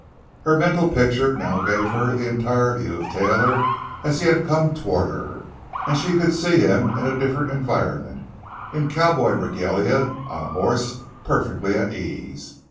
Her mental picture now gave her the entire view of Taylor as he had come toward her. And she could see him in a different environment, in cowboy regalia, on a horse, perfectly at ease.